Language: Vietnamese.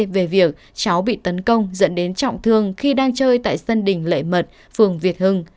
về việc cháu bị tấn công dẫn đến trọng thương khi đang chơi tại sân đỉnh lệ mật phường việt hưng